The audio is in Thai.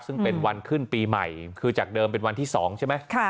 ซึ่งเป็นวันขึ้นปีใหม่คือจากเดิมเป็นวันที่๒ใช่ไหม